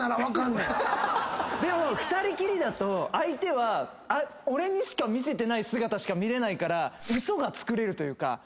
でも２人きりだと相手は俺にしか見せてない姿しか見れないから嘘がつくれるというか。